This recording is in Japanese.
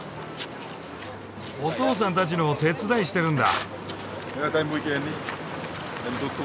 お父さんたちの手伝いしてるんだ。